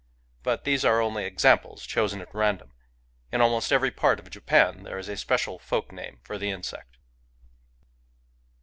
But these are only examples chosen at random : in almost every part of Japan there is a speci aLfolk nasxfiJbr the.inseQt.